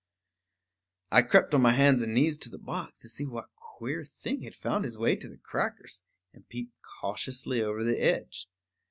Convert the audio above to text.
_ I crept on my hands and knees to the box, to see what queer thing had found his way to the crackers, and peeped cautiously over the edge.